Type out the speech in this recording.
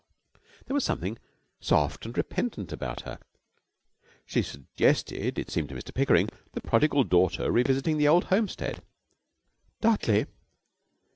There was something soft and repentant about her. She suggested, it seemed to Mr Pickering, the prodigal daughter revisiting the old homestead. 'Dudley!'